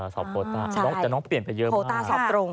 สอบโคต้าแต่น้องเปลี่ยนไปเยอะมาก